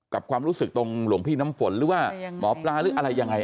ความรู้สึกตรงหลวงพี่น้ำฝนหรือว่าหมอปลาหรืออะไรยังไง